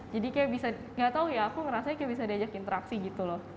jadi kayak bisa nggak tahu ya aku ngerasanya kayak bisa diajak interaksi gitu loh